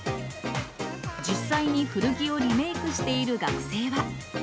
実際に古着をリメークしている学生は。